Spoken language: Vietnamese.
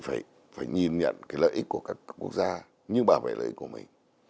phải nhìn nhận cái lợi ích của các quốc gia như bảo vệ lợi ích của mình